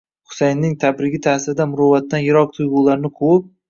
Husayinning tabrigi ta'sirida muruvvatdan yiroq tuyg'ularni quvib